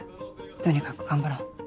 とにかく頑張ろう。